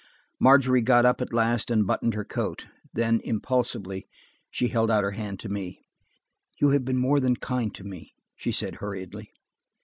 Margery got up at last and buttoned her coat. Then impulsively she held out her hand to me. "You have been more than kind to me," she said hurriedly.